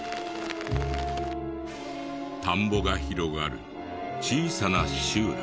田んぼが広がる小さな集落。